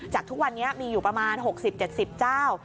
ทุกวันนี้มีอยู่ประมาณ๖๐๗๐เจ้า